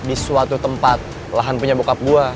itu tempat lahan punya bokap gue